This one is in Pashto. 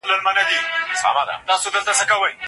ولي هڅاند سړی د مستحق سړي په پرتله بریا خپلوي؟